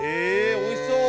おいしそう！